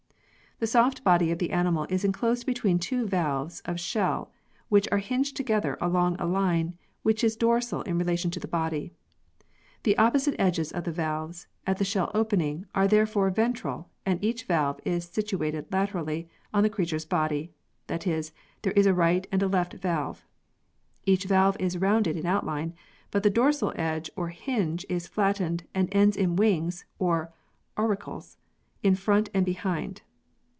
The soft body of the animal is enclosed between two valves of shell which are hinged together along a line which is dorsal in relation to the body. The opposite edges of the valves, at the shell opening, are therefore ventral and each valve is situated laterally on the creature's body that is, there is a right and a left valve. Each valve is rounded in outline, but the dorsal edge or hinge is flattened and ends in wings (or auricles) in front and behind.